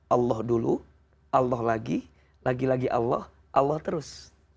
allah dulu allah lagi lagi lagi allah allah terus